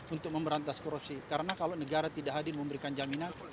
untuk memberantas korupsi karena kalau negara tidak hadir memberikan jaminan